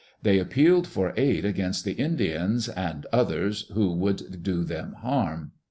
They appealed for aid against the Indians "and others who would do them harm."